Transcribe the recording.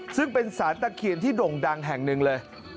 ซึ่งเป็นสารตะเคียนที่ด่งดังแห่งหนึ่งเลย